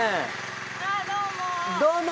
ああどうも。